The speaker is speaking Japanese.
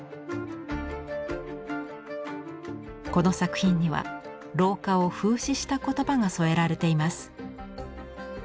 この作品には老化を風刺した言葉が添えられています。